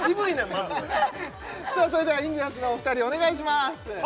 まずさあそれではインディアンスのお二人お願いします